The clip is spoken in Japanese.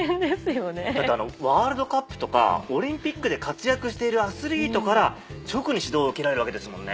だってあのワールドカップとかオリンピックで活躍しているアスリートから直に指導を受けられるわけですもんね。